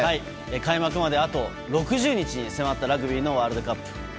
開幕まであと６０日に迫ったラグビーのワールドカップ。